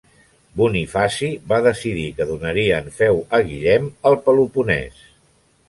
Bonifaci va decidir que donaria en feu a Guillem el Peloponès.